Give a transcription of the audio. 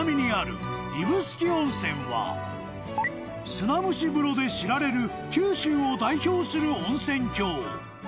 ［砂むし風呂で知られる九州を代表する温泉郷］